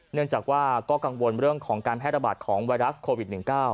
เนื่องจากว่าก็กังวลเรื่องของการแพร่ระบาดของไวรัสโควิด๑๙